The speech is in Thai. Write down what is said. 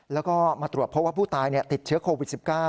แล้วก็มาตรวจพบว่าผู้ตายติดเชื้อโควิด๑๙